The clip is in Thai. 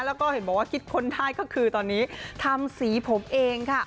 แล้วก็เห็นบอกว่าคิดค้นได้ก็คือตอนนี้ทำสีผมเองค่ะ